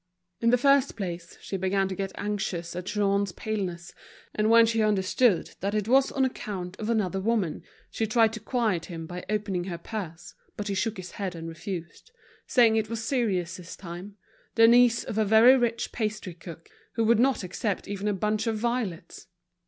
In the first place, she began to get anxious at Jean's paleness, and when she understood that it was on account of another woman, she tried to quiet him by opening her purse, but he shook his head and refused, saying it was serious this time, the niece of a very rich pastry cook, who would not accept even a bunch of violets.